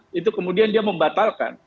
itu kemudian dia membatalkan